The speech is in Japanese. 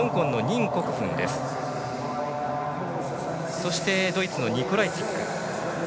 そしてドイツのニコライツィック。